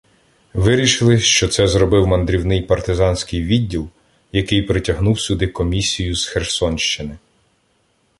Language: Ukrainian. Вирішили, що це зробив мандрівний партизанський відділ, який притягнув сюди "комісію" з Херсонщини.